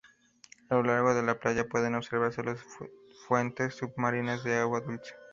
A lo largo de la playa pueden observarse las fuentes submarinas de agua dulce.